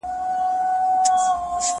څه ډول مادې د بدلون وړ نه دي؟